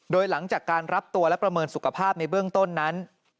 โดยหลังจากการรับตัวและประเมินสุขภาพในเบื้องต้นนั้น